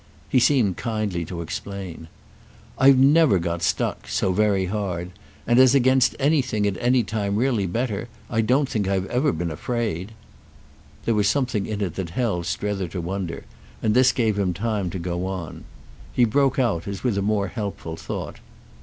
He seemed kindly to explain. "I've never got stuck—so very hard; and, as against anything at any time really better, I don't think I've ever been afraid." There was something in it that held Strether to wonder, and this gave him time to go on. He broke out as with a more helpful thought.